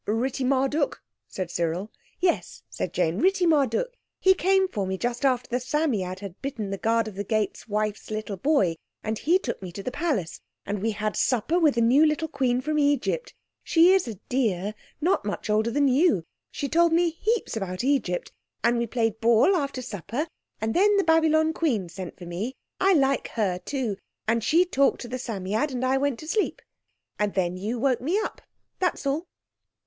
"Ritti Marduk," said Cyril. "Yes," said Jane, "Ritti Marduk, he came for me just after the Psammead had bitten the guard of the gate's wife's little boy, and he took me to the Palace. And we had supper with the new little Queen from Egypt. She is a dear—not much older than you. She told me heaps about Egypt. And we played ball after supper. And then the Babylon Queen sent for me. I like her too. And she talked to the Psammead and I went to sleep. And then you woke me up. That's all."